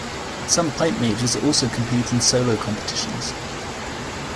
Some pipe majors also compete in solo competitions.